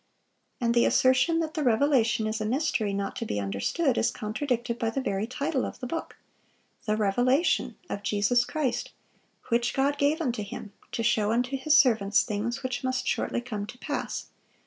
(570) And the assertion that the Revelation is a mystery, not to be understood, is contradicted by the very title of the book: "The Revelation of Jesus Christ, which God gave unto Him, to show unto His servants things which must shortly come to pass....